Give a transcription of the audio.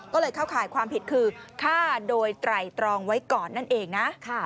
ก็เลยเข้าข่ายความผิดคือฆ่าโดยไตรตรองไว้ก่อนนั่นเองนะ